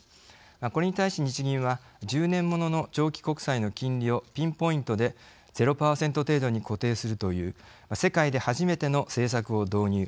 これに対し日銀は１０年ものの長期国債の金利をピンポイントで０％程度に固定するという世界で初めての政策を導入。